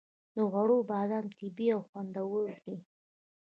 د غور بادام طبیعي او خوندور دي.